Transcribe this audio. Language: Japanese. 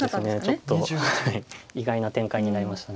ちょっと意外な展開になりました。